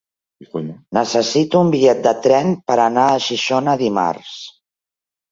Necessito un bitllet de tren per anar a Xixona dimarts.